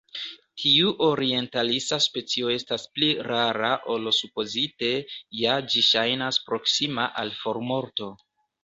Tiu orientalisa specio estas pli rara ol supozite; ja ĝi ŝajnas proksima al formorto.